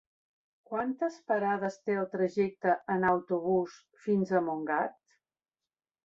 Quantes parades té el trajecte en autobús fins a Montgat?